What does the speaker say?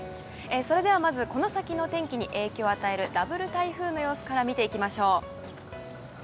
それではまずこの先の天気に影響を与えるダブル台風の様子から見ていきましょう。